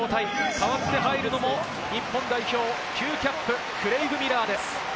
代わって入るのも日本代表９キャップ、クレイグ・ミラーです。